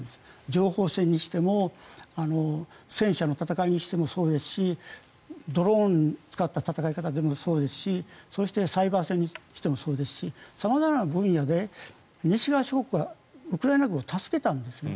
情報戦にしても戦車の戦いにしてもそうですしドローンを使った戦い方でもそうですしそしてサイバー戦にしてもそうですし様々な分野で西側諸国がウクライナ軍を助けたんですね。